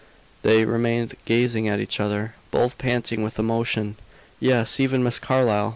They remained gazing at each other, both panting with emotion; yes, even Miss Carlyle.